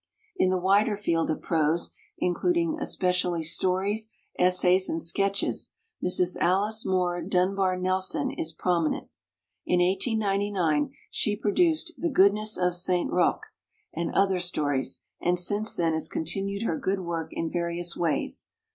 In the wider field of prose including especially stories, essays, and sketches Mrs. Alice Moore Dunbar Nelson is prominent. In 1899 she pro duced The Goodness of St. Rocque, and other stories, and since then has continued her good work in various ways.